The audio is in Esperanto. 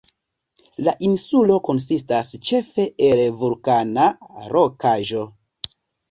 La insulo konsistas ĉefe el vulkana rokaĵo.